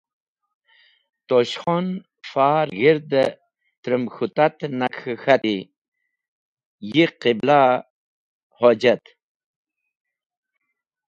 Tosh Khon far g̃hirde trem k̃hũ tat nag k̃he k̃hati: “Ye Qiblah-e hojot!